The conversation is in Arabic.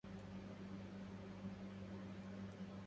أيها القوم ويحكم قد هدمتم